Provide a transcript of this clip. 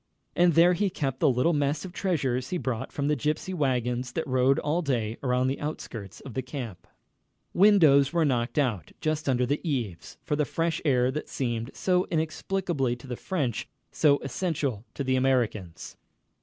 And there he kept the little mess of treasures he bought from the gypsy wagons that rode all day around the outskirts of the camp. Windows were knocked out, just under the eaves, for the fresh air that seemed, so inexplicably to the French, so essential to the Americans.